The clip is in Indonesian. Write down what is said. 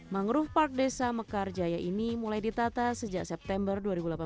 mangrove park desa mekarjaya ini mulai ditata sejak september dua ribu delapan belas